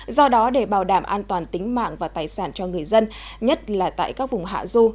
do đó để bảo đảm an toàn tính mạng và tài sản cho người dân nhất là tại các vùng hạ du